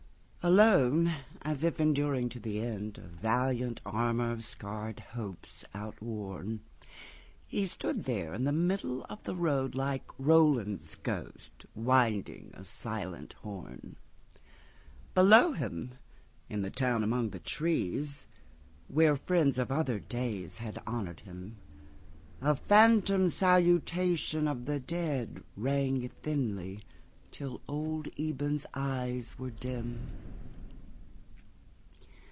Alone, as if enduring to the endA valiant armor of scarred hopes outworn, He stood there in the middle of the roadLike Roland's ghost winding a silent horn. Below him, in the town among the trees, Where friends of other days had honored him,A phantom salutation of the deadRang thinly till old Eben's eyes were dim.